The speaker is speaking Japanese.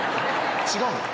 違うの？